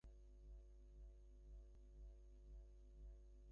আসি স্যার, পাশের ঘরেই আছি!